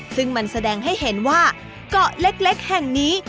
ซึ่งมันแสดงให้เห็นว่าเกาะเล็กแห่งนี้